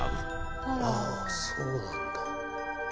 あそうなんだ。